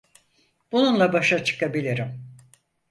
Bununla başa çıkabilirim.